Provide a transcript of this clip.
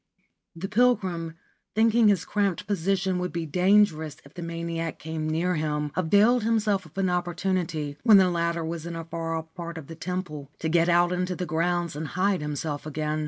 ' The pilgrim, thinking his cramped position would be dangerous if the maniac came near him, availed himself of an opportunity, when the latter was in a far off part of the temple, to get out into the grounds and hide him self again.